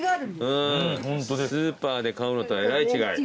スーパーで買うのとはえらい違い。